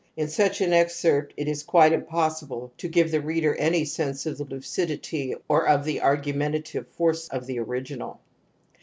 In such an excerpt it is quite impossible to give the reader any sense of the lucidity or of the argu mentative force of the original.